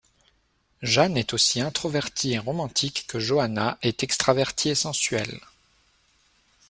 Jeanne est aussi introvertie et romantique que Johanna est extravertie et sensuelle.